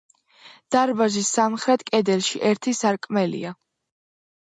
დარბაზის სამხრეთ კედელში ერთი სარკმელია.